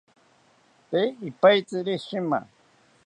Tee ipaitziri shima